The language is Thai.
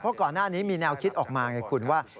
เพราะก่อนหน้านี้มีแนวคิดออกมาไงคุณว่า